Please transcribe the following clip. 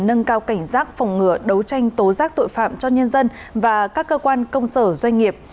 nâng cao cảnh giác phòng ngừa đấu tranh tố giác tội phạm cho nhân dân và các cơ quan công sở doanh nghiệp